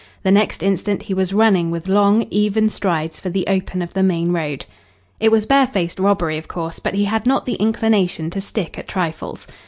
The next instant he was running with long, even strides for the open of the main road. It was barefaced robbery, of course, but he had not the inclination to stick at trifles.